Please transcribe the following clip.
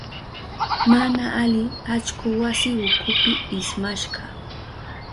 Mana ali allku wasi ukupi ismashka.